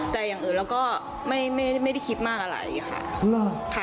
แต่อย่างอื่นเราก็ไม่ได้คิดมากอะไรค่ะ